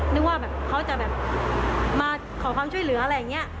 นึกว่าแบบเขาจะแบบมาขอความช่วยเหลืออะไรอย่างนี้